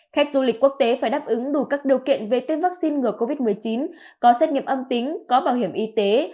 khách du lịch quốc tế phải đáp ứng đủ các điều kiện về tiêm vaccine ngừa covid một mươi chín có xét nghiệm âm tính có bảo hiểm y tế